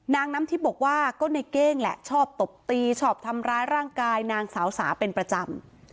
น้ำทิพย์บอกว่าก็ในเก้งแหละชอบตบตีชอบทำร้ายร่างกายนางสาวสาเป็นประจำ